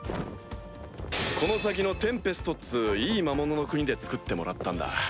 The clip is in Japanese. この先のテンペストっつういい魔物の国で作ってもらったんだ。